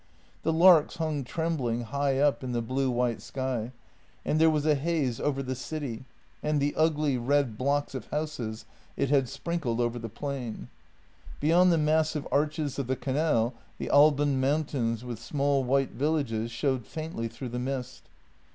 The larks hung trembling high up in the blue white sky, and there was a haze over the city and the ugly, red blocks of houses it had sprinkled over the plain. Beyond the massive arches of the canal, the Alban mountains, with small white villages, showed faintly through the mist.